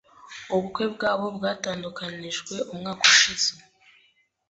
Ubukwe bwabo bwatandukanijwe umwaka ushize.